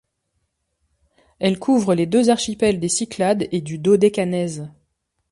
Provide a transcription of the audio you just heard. Elle couvre les deux archipels des Cyclades et du Dodécanèse.